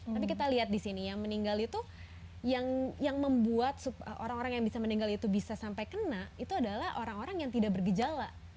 tapi kita lihat di sini yang meninggal itu yang membuat orang orang yang bisa meninggal itu bisa sampai kena itu adalah orang orang yang tidak bergejala